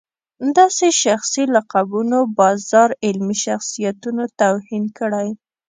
داسې شخصي لقبونو بازار علمي شخصیتونو توهین کړی.